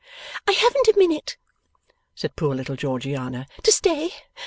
'I haven't a minute,' said poor little Georgiana, 'to stay.